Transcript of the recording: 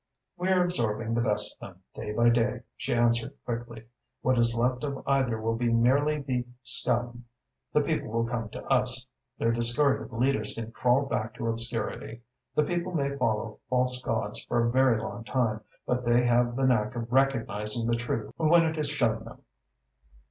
"We are absorbing the best of them, day by day," she answered quickly. "What is left of either will be merely the scum. The people will come to us. Their discarded leaders can crawl back to obscurity. The people may follow false gods for a very long time, but they have the knack of recognising the truth when it is shown them."